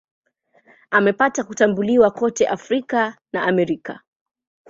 Amepata kutambuliwa kote Afrika na Amerika.